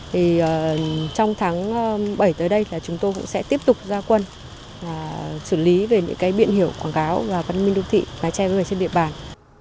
thì trong tháng bảy tới đây là chúng tôi cũng sẽ tiếp tục ra quân và xử lý về những cái biển hiểu quảng cáo và văn minh đô thị và che với người trên địa bàn